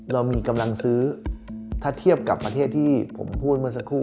เรามีกำลังซื้อถ้าเทียบกับประเทศที่ผมพูดเมื่อสักครู่